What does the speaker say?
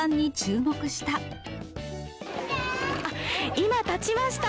今、立ちました！